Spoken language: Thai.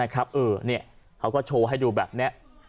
เขาก็โชว์ให้ดูแบบนี้